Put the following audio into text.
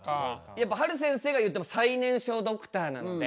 やっぱはる先生が言っても最年少ドクターなので。